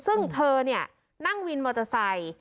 ซึ่งเธอเนี่ยนั่งวินมอเตอร์ไซค์